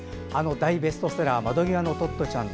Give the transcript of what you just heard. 大ベストセラー「窓ぎわのトットちゃん」